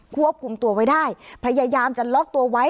ควบคุมตัวไว้ได้พยายามจะล็อกตัวไว้